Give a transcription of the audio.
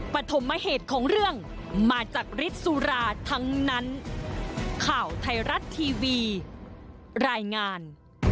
ปฐมเหตุของเรื่องมาจากฤทธิ์สุราทั้งนั้นข่าวไทยรัฐทีวีรายงาน